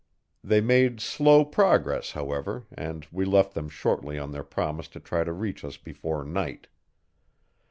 They made slow progress, however, and we left them shortly on their promise to try to reach us before night.